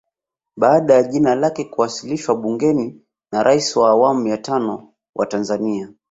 Baada ya jina lake kuwasilishwa bungeni na Rais wa awamu ya tano wa Tanzania